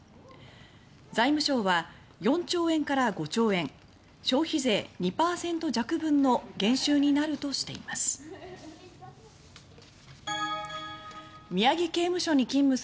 財務省は４兆円から５兆円消費税２％弱分の減収になるとしています。